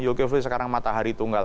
yul kivlasan sekarang matahari tunggal